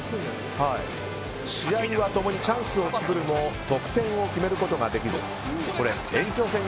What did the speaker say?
試合は共にチャンスを作るも得点を決めることができず延長戦へ。